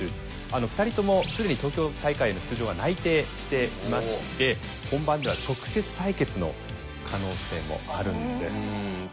２人とも既に東京大会への出場は内定していまして本番では直接対決の可能性もあるんです。